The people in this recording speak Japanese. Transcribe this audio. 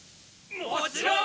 もちろん！